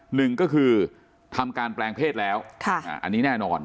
หนึ่งก็คือทำการแปลงเพศแล้วอันนี้แน่นอน